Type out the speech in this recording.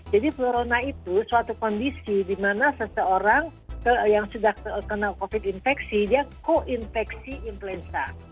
jadi florona itu suatu kondisi dimana seseorang yang sudah kena covid infeksi dia koinfeksi influenza